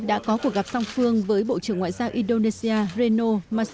đã có cuộc gặp song phương với bộ trưởng ngoại giao indonesia reno